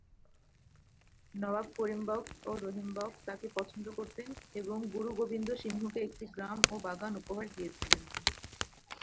নওয়াব করিম বখশ ও রহিম বখশ তাকে পছন্দ করতেন এবং গুরু গোবিন্দ সিংহকে একটি গ্রাম ও বাগান উপহার দিয়েছিলেন।